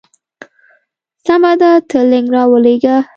سمه ده ته لینک راولېږه.